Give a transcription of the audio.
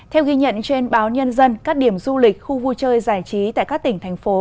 theo ghi nhận trên báo nhân dân các điểm du lịch khu vui chơi giải trí tại các tỉnh thành phố